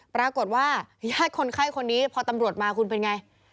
ปรากฏว่าญาติคนไข้คนนี้พอตำรวจมาคุณเป็นไง